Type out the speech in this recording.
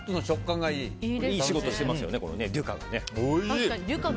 いい仕事してますよねデュカが。